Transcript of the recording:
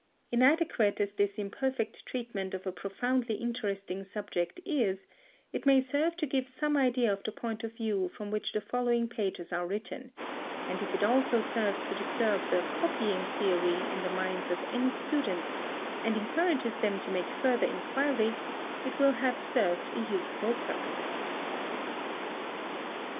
Inadequate as this imperfect treatment of a profoundly interesting subject is, it may serve to give some idea of the point of view from which the following pages are written, and if it also serves to disturb the "copying theory" in the minds of any students and encourages them to make further inquiry, it will have served a useful purpose.